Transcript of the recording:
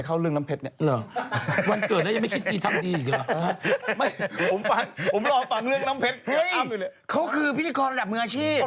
เขาคือพิธีกรระดับมืออาชีพ